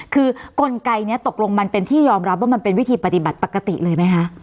คือกลไกนี้ตกลงมันเป็นที่ยอมรับว่ามันเป็นวิธีปฏิบัติปกติเลยไหมคะ